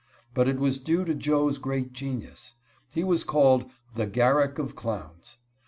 But it was due to Joe's great genius. He was called "The Garrick of Clowns."